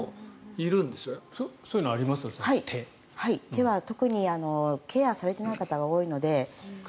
手は特にケアされてない方が多いので。